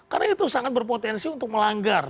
karena itu sangat berpotensi untuk melanggar